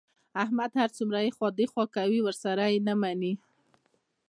احمد هر څومره ایخوا دیخوا کوي، ورسره یې نه مني.